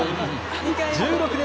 １６年